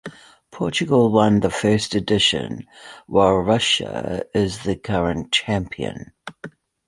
Portugal won the first edition, while Russia is the current champion.